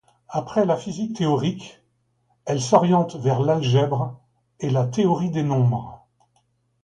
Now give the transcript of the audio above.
Après la physique théorique, elle s'oriente vers l'algèbre et la théorie des nombres.